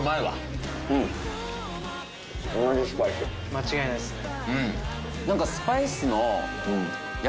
間違いないっすね。